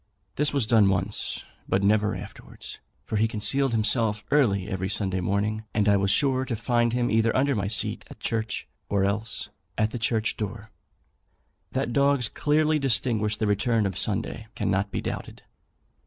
This was done once, but never afterwards; for he concealed himself early every Sunday morning, and I was sure to find him either under my seat at church, or else at the church door. That dogs clearly distinguish the return of Sunday cannot be doubted.